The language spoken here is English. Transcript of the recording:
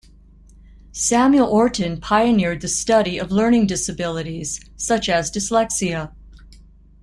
Samuel Orton pioneered the study of learning disabilities, such as dyslexia.